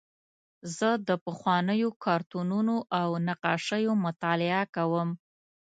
زه د پخوانیو کارتونونو او نقاشیو مطالعه کوم.